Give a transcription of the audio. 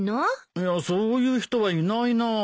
いやそういう人はいないな。